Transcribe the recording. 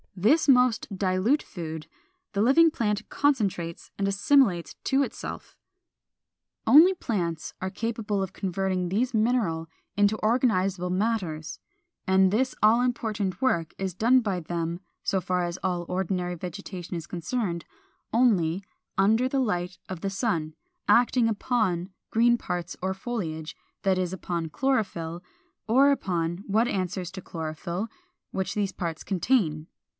This most dilute food the living plant concentrates and assimilates to itself. Only plants are capable of converting these mineral into organizable matters; and this all important work is done by them (so far as all ordinary vegetation is concerned) only 451. Under the light of the sun, acting upon green parts or foliage, that is, upon the chlorophyll, or upon what answers to chlorophyll, which these parts contain.